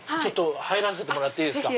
入らせてもらっていいですか？